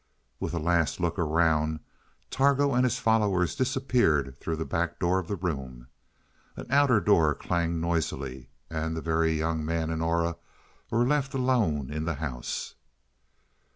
With a last look around, Targo and his followers disappeared through the back door of the room. An outer door clanged noisily, and the Very Young Man and Aura were left alone in the house.